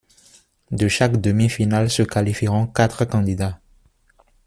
De chaque demi-finale se qualifieront quatre candidats.